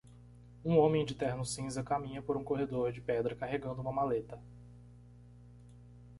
Um homem de terno cinza caminha por um corredor de pedra carregando uma maleta.